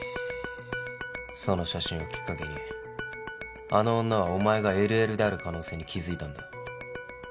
その写真をきっかけにあの女はお前がＬＬである可能性に気付いたんだ。